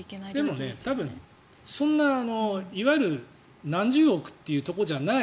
でも、多分いわゆる何十億というところじゃない